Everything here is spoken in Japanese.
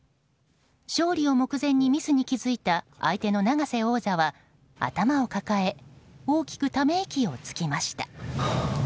勝利を目前にミスに気付いた相手の永瀬王座は頭を抱え大きくため息をつきました。